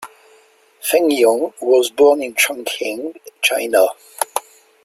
Feng Yun was born in Chong Qing, China.